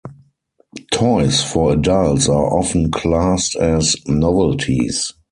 Toys for adults are often classed as novelties.